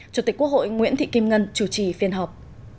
chủ tịch quốc hội nguyễn thị kim ngân chủ trì phiên họp